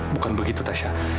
bukan begitu tasya